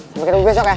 sampai ketemu besok ya